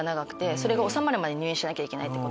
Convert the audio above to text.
それが治まるまで入院しなきゃいけないって。